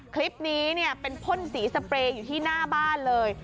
คลิปนี้เนี่ยเป็นพ่นสีสเปรย์อยู่ที่หน้าบ้านเลย